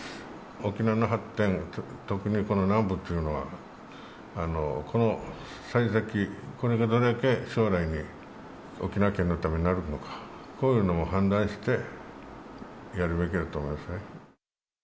沖縄の発展、特にこの南部というのは、この採石、これがどれだけ将来に、沖縄県のためになるのか、こういうのも判断してやるべきだと思いますね。